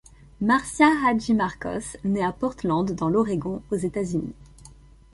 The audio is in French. Marcia Hadjimarkos naît à Portland dans l'Oregon, aux États-Unis.